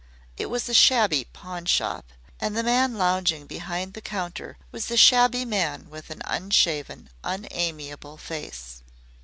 It was a shabby pawnshop, and the man lounging behind the counter was a shabby man with an unshaven, unamiable face.